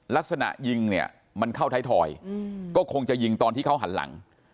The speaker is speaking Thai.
ลักษณะยิงเนี่ยมันเข้าไทยทอยก็คงจะยิงตอนที่เขาหันหลัง